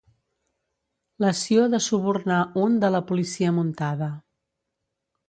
L'ació de subornar un de la policia muntada.